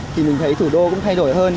thì mình thấy thủ đô cũng thay đổi hơn